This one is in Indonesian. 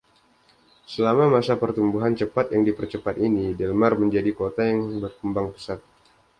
Selama masa pertumbuhan cepat yang dipercepat ini, Delmar menjadi "kota yang berkembang pesat".